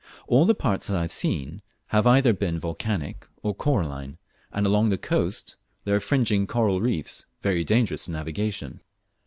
All the parts that I have seen have either been volcanic or coralline, and along the coast there are fringing coral reefs very dangerous to navigation.